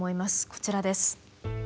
こちらです。